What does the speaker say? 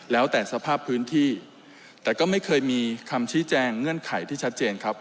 แล้วแต่สภาพพื้นที่แต่ก็ไม่เคยมีคำชี้แจงเงื่อนไขที่ชัดเจนครับ